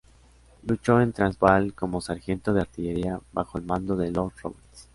Luchó en Transvaal como sargento de artillería bajo el mando de Lord Roberts.